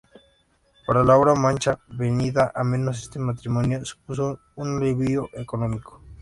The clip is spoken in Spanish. Para la familia Mancha, venida a menos, este matrimonio supuso un alivio económico.